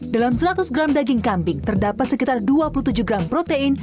dalam seratus gram daging kambing terdapat sekitar dua puluh tujuh gram protein